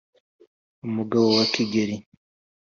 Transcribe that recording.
umugabo wa kigeli.